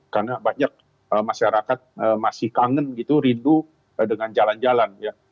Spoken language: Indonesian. karena banyak masyarakat masih kangen gitu rindu dengan jalan jalan